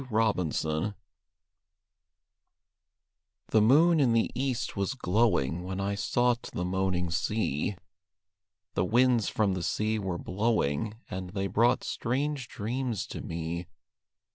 THE MERMAID The moon in the east was glowing When I sought the moaning sea; The winds from the sea were blowing, And they brought strange dreams to me.